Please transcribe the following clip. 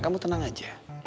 kamu tenang aja